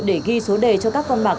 để ghi số đề cho các con bạc